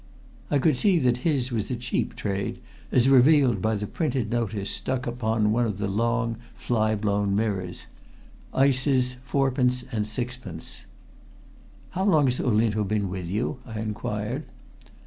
I could see that his was a cheap trade, as revealed by the printed notice stuck upon one of the long fly blown mirrors: "Ices 4d and 6d." "How long has Olinto been with you?" I inquired.